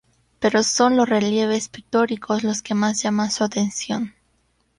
Pero son los relieves pictóricos los que más llaman su atención.